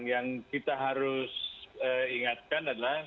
yang kita harus ingatkan adalah